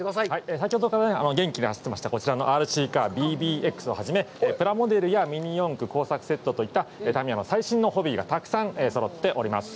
先ほどから走っておりました、ＲＣカー、プラモデルやミニ四駆工作セットといった、タミヤの最新のホビーがたくさんそろっております。